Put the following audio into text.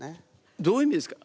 どういう意味ですか？